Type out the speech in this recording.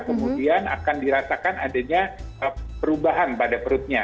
kemudian akan dirasakan adanya perubahan pada perutnya